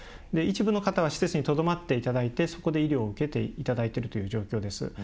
一部の方は施設にとどまっていただいてそこで医療を受けていただいているという状況です。